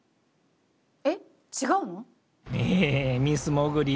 えっ違うの？